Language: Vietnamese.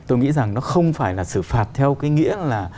tôi nghĩ rằng nó không phải là xử phạt theo cái nghĩa là